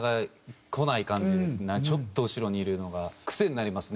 ちょっと後ろにいるのが癖になりますね。